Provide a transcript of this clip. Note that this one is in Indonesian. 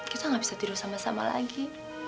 kita nggak bisa tidur sama sama lagi